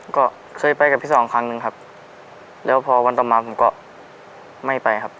ก็เคยไปกับพี่สองครั้งหนึ่งครับแล้วพอวันต่อมาผมก็ไม่ไปครับ